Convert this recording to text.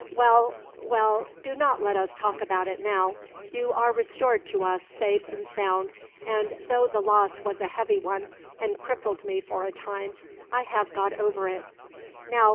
"Well, well, do not let us talk about it, now. You are restored to us, safe and sound; and though the loss was a heavy one, and crippled me for a time, I have got over it.